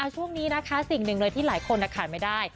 ช่วงนี้นะคะสิ่งหนึ่งเลยที่หลายคนขาดไม่ได้